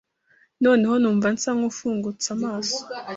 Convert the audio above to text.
noneho numva nsa n’ ufungutse amaso